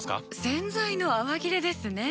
洗剤の泡切れですね。